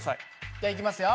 じゃいきますよ。